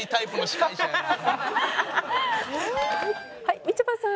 はいみちょぱさん。